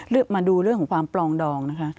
มาดูเรื่องของความปลองดองนะคะ